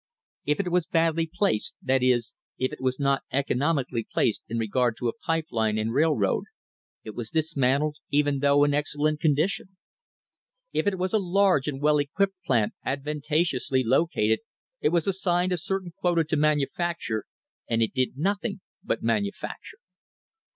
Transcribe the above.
If it was badly placed, that is, if it was not economically placed in regard to a pipe line and rail road, it was dismantled even though in excellent condition. If it was a large and well equipped plant advantageously located it was assigned a certain quota to manufacture, and it did nothing but manufacture.